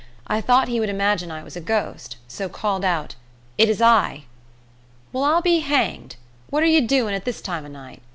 I thought he would imagine I was a ghost, so called out: "It is I." "Well, I'll be hanged! What are ye doin' at this time ev night.